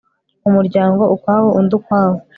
umuryango ukwawo undi ukwawo